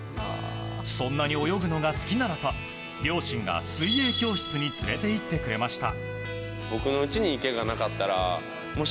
そんなに泳ぐのが好きならと両親が水泳教室に連れて行ってくれました。